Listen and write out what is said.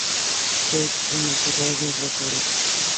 Fest en la Ciudad de Rosario.